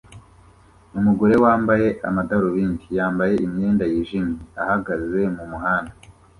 Umugore wambaye amadarubindi yambaye imyenda yijimye ahagaze mumuhanda